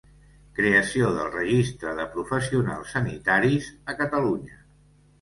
Creació del Registre de professionals sanitaris a Catalunya.